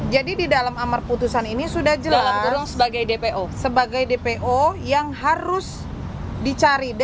jadi di dalam amar putusan ini sudah jelas sebagai dpo yang harus dicari